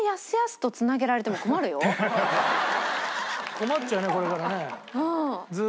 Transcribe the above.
困っちゃうよねこれからね。